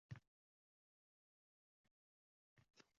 Bularga duch kelmaslik uchun senda yetarli fursat bor.